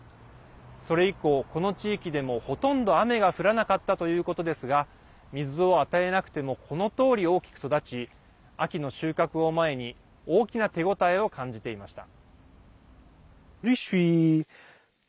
それ以降、この地域でもほとんど雨が降らなかったということですが水を与えなくてもこのとおり大きく育ち秋の収穫を前に大きな手応えを感じていました。